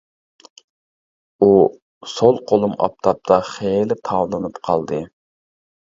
ئۇ : سول قولۇم ئاپتاپتا خېلى تاۋلىنىپ قالدى.